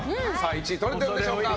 １位とれているんでしょうか。